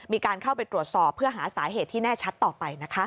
มีการเข้าไปตรวจสอบเพื่อหาสาเหตุที่แน่ชัดต่อไปนะคะ